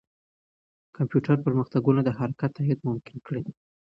کمپیوټر پرمختګونه د حرکت تایید ممکن کړي.